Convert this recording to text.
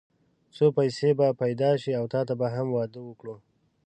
څو پيسې به پيدا شي او تاته به هم واده وکړو.